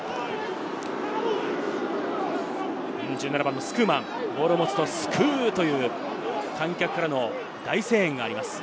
１７番のスクーマン、ボールを持つと、「スク！」という観客からの大声援があります。